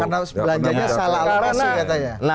karena harus belanja yang salah alokasi katanya